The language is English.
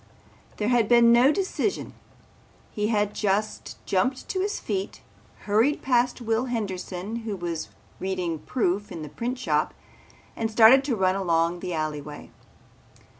There had been no decision. He had just jumped to his feet, hurried past Will Henderson who was reading proof in the printshop and started to run along the alleyway.